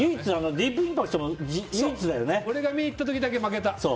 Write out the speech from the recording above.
ディープインパクトが俺が見に行った時だけ負けた。